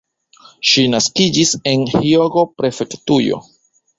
Ŝi naskiĝis en Hjogo-prefektujo.